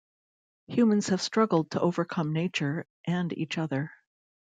Humans have struggled to overcome nature and each other.